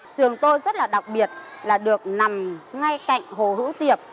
trường tôi rất là đặc biệt là được nằm ngay cạnh hồ hữu tiệp